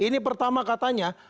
ini pertama katanya